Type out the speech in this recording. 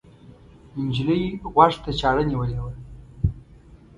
نجلۍ غوږ ته چاړه نیولې وه.